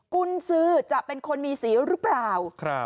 กุญสือจะเป็นคนมีสีหรือเปล่า